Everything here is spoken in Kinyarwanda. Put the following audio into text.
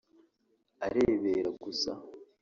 arebera gusa